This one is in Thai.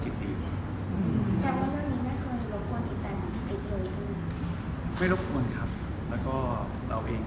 เอ่อไม่สักครู่ผมได้ตอบไปตั้งแต่ไปช็อปตอบแรงอะนะ